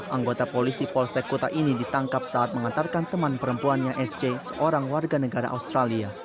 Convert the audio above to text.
anggota polisi polsek kuta ini ditangkap saat mengantarkan teman perempuannya sc seorang warga negara australia